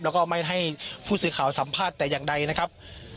แล้วก็ไม่ให้ผู้สื่อข่าวสัมภาษณ์แต่อย่างใดนะครับ